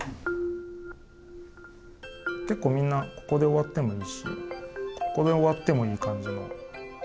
結構みんなここで終わってもいいしここで終わってもいい感じの。